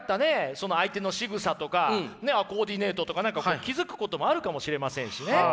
その相手のしぐさとかコーディネートとか何かこう気付くこともあるかもしれませんしね。